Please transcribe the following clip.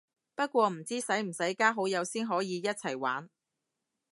不過唔知使唔使加好友先可以一齊玩